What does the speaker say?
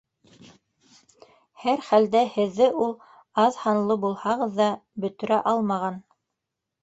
Һәр хәлдә, һеҙҙе ул, аҙ һанлы булһағыҙ ҙа, бөтөрә алмаған.